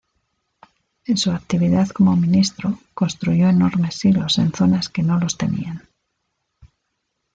En su actividad como ministro construyó enormes silos en zonas que no los tenían.